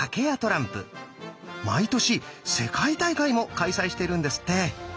毎年世界大会も開催しているんですって！